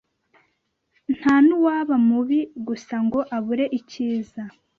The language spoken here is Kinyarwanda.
nta n’uwaba mubi gusa ngo abure icyiza